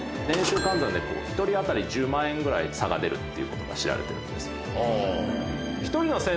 年収換算で１人あたり１０万円ぐらい差が出るっていうことが知られてるんです。